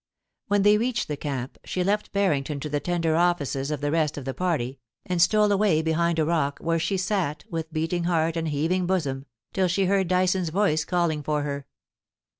When they reached the camp, she left Barrington to the tender offices of the rest of the party, and stole away behind a rock, where she sat, with beating heart and heaving bosom, till she heard Dyson's voice calling for her.